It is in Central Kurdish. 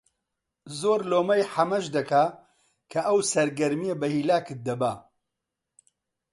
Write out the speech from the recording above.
زۆر لۆمەی حەمەش دەکا کە ئەو سەرگەرمییە بە هیلاکت دەبا